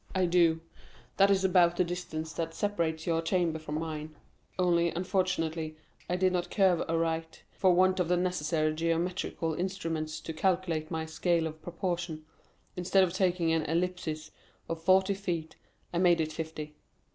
"I do; that is about the distance that separates your chamber from mine; only, unfortunately, I did not curve aright; for want of the necessary geometrical instruments to calculate my scale of proportion, instead of taking an ellipsis of forty feet, I made it fifty.